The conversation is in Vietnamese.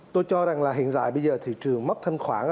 tôi cho rằng là hiện tại bây giờ thị trường mất thanh khoản